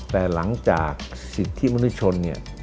แต่หลังจากสิทธิมนุษย์ชน